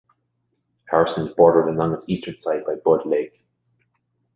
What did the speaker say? Harrison is bordered along its eastern side by Budd Lake.